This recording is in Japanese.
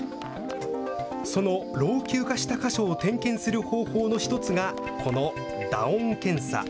その老朽化した箇所を点検する方法の１つがこの打音検査。